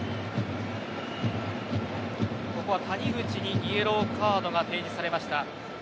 ここは谷口にイエローカードが提示されました。